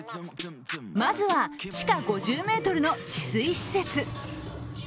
まずは地下５０ｍの治水施設。